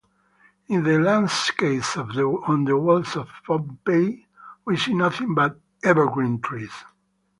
In the landscapes on the walls of Pompeii we see nothing but evergreen trees.